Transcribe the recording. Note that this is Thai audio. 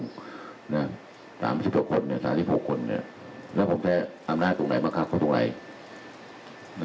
๓๖คนและผมจะอำนาจตรงไหนบักครับตรงไหน